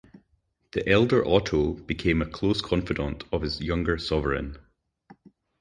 The elder Otto became a close confidante of his younger sovereign.